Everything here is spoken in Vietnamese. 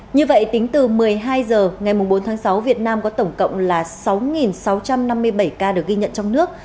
như vậy tính từ một mươi hai h ngày bốn tháng sáu việt nam có tổng cộng là sáu sáu trăm năm mươi bảy ca được ghi nhận trong nước